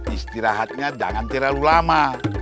istirahatnya jangan terlalu lama